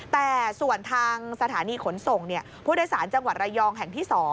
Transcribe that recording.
แต่ส่วนทางสถานีขนส่งผู้โดยสารจังหวัดระยองแห่งที่๒